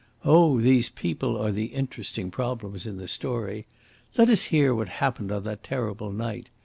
Oh, these people are the interesting problems in this story. Let us hear what happened on that terrible night.